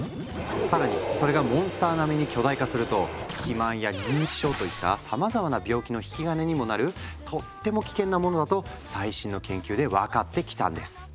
更にそれがモンスター並みに巨大化すると肥満や認知症といったさまざまな病気の引き金にもなるとっても危険なものだと最新の研究で分かってきたんです。